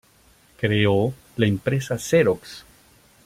Creó la empresa Xerox.